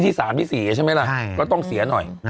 ที่จิลิงก์เสีย